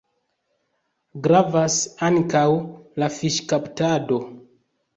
Gravas ankaŭ la fiŝkaptado.